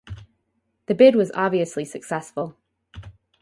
The bid was obviously successful.